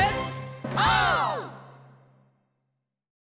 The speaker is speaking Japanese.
オー！